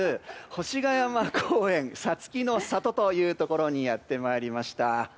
星ヶ山公園、さつきの郷というところにやってまいりました。